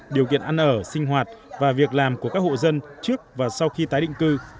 điều kiện ăn ở sinh hoạt và việc làm của các hộ dân trước và sau khi tái định cư